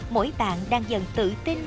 mỗi bạn đang dần tự tin